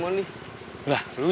hanya hanya jatuh dan malu